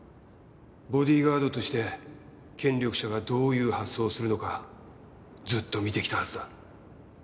ボディーガードとして権力者がどういう発想をするのかずっと見てきたはずだ。